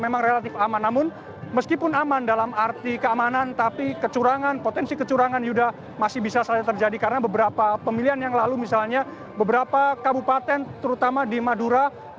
mereka hanya berkonsentrasi untuk menjaga keamanan di jawa timur